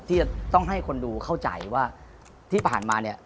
ที่จะต้องให้คนดูเข้าใจว่าที่ผ่านมาเนี่ย